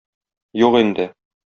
Юк инде.